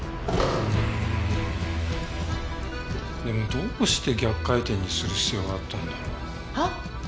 でもどうして逆回転にする必要があったんだろう？はあ？